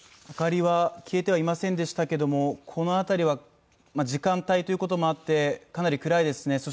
明かりは消えてはいませんでしたけども、このあたりは時間帯ということもあってかなり暗いですね